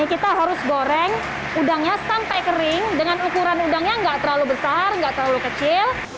kita harus goreng udangnya sampai kering dengan ukuran udangnya nggak terlalu besar nggak terlalu kecil